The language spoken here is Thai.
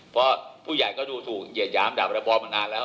เพราะผู้ใหญ่ก็ดูสู่เหยียดย้ำดาปอัตรพรมานานแล้ว